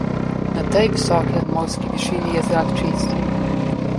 Na tej visoki nadmorski višini je zrak čist.